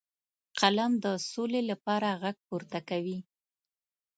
قلم د سولې لپاره غږ پورته کوي